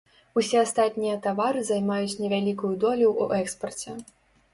Усе астатнія тавары займаюць невялікую долю ў экспарце.